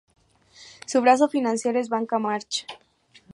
Su brazo financiero es Banca March.